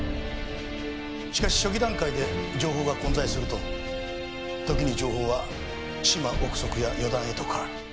しかし初期段階で情報が混在すると時に情報は揣摩憶測や予断へと変わる。